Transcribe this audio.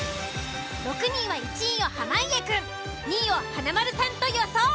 ６人は１位を濱家くん２位を華丸さんと予想。